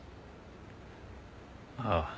ああ。